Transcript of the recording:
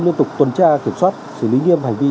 liên tục tuần tra kiểm soát xử lý nghiêm hành vi